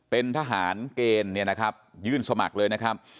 เป็นทหารเกณฑ์ยื่นสมัครเลยนะครับ